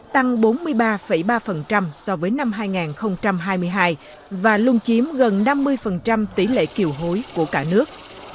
tăng bốn mươi ba ba so với năm hai nghìn hai mươi hai và luôn chiếm gần năm mươi tỷ lệ kiều hối của cả nước